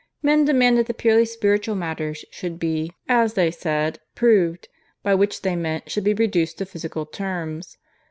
Men demanded that purely spiritual matters should be, as they said, 'proved,' by which they meant should be reduced to physical terms.